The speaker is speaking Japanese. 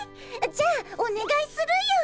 じゃあおねがいするよ。